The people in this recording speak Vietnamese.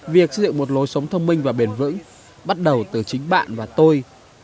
việc xây dựng một lối sống thông minh và bền vững bắt đầu từ chính bạn và tôi